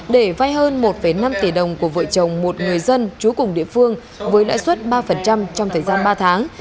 để vay hơn một năm tỷ đồng của vợ chồng một người dân trú cùng địa phương với lãi suất ba trong thời gian ba tháng